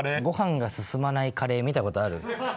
ごはんが進まないカレー見たことある？